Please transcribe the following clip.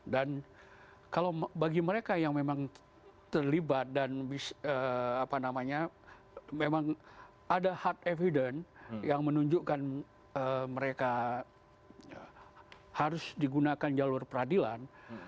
dan kalau bagi mereka yang memang terlibat dan apa namanya memang ada hard evidence yang menunjukkan mereka harus digunakan jalur peradilan